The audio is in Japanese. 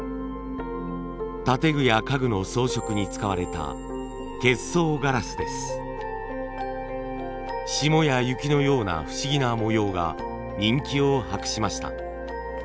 建具や家具の装飾に使われた霜や雪のような不思議な模様が人気を博しました。